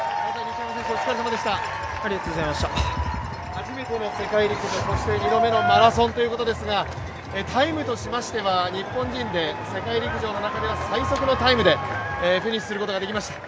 初めての世界陸上、そして２度目のマラソンということですがタイムとしましては、日本人で世界陸上の中では最速のタイムでフィニッシュすることができました。